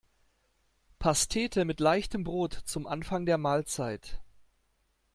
Pastete mit leichtem Brot zum Anfang der Mahlzeit.